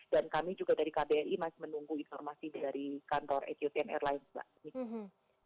dan kami juga dari kbri masih menunggu informasi dari kantor etiopian airlines